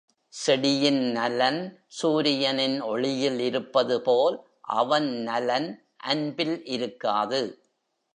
செடியின் நலன் சூரியனின் ஒளியில் இருப்பதுபோல், அவன் நலன் அன்பில் இருக்காது.